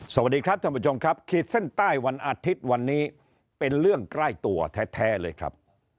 สวัสดีครับท่านผู้ชมครับขีดเส้นใต้วันอาทิตย์วันนี้เป็นเรื่องใกล้ตัวแท้เลยครับ